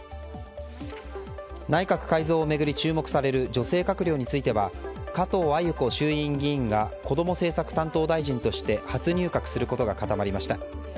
内閣改造を巡り注目される女性閣僚については加藤鮎子衆院議員がこども政策担当大臣として初入閣することが固まりました。